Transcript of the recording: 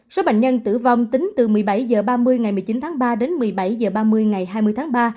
số bệnh nhân tử vong tính từ một mươi bảy h ba mươi ngày một mươi chín tháng ba đến một mươi bảy h ba mươi ngày hai mươi tháng ba